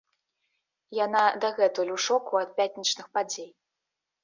Яна дагэтуль ў шоку ад пятнічных падзей.